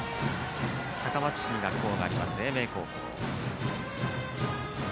高松市に学校がある英明高校。